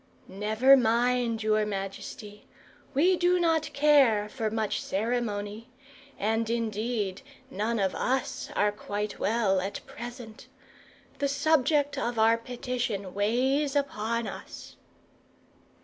"Never mind, your majesty. We do not care for much ceremony; and indeed none of us are quite well at present. The subject of our petition weighs upon us."